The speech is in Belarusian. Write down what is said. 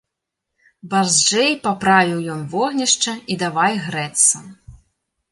Барзджэй паправіў ён вогнішча і давай грэцца.